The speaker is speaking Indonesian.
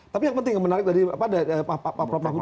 tapi yang penting menarik dari pak prof mahfud